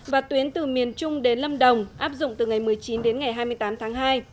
và tuyến từ miền trung đến lâm đồng áp dụng từ ngày một mươi chín đến ngày hai mươi tám tháng hai